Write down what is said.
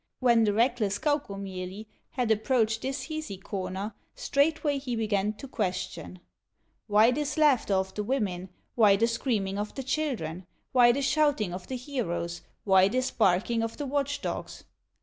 When the reckless Kaukomieli Had approached this Hisi corner, Straightway he began to question: "Why this laughter of the women, Why the screaming of the children, Why the shouting of the heroes, Why this barking of the watch dogs?"